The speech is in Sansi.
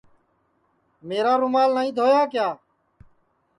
میرا رومال نائی دھویا کیا